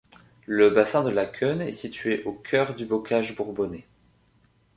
Le bassin de la Queune est situé au cœur du bocage bourbonnais.